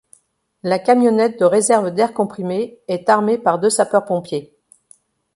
La camionnette de réserve d'air comprimé est armée par deux sapeurs-pompiers.